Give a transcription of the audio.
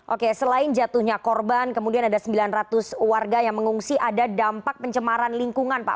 oke selain jatuhnya korban kemudian ada sembilan ratus warga yang mengungsi ada dampak pencemaran lingkungan pak